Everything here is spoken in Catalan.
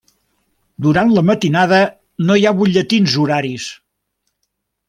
Durant la matinada no hi ha butlletins horaris.